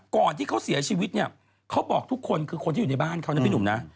ก่อนที่เขาเสียชีวิตเนี่ยเขาบอกทุกคนคือคนที่อยู่ในบ้านเขานะพี่หนุ่มนะ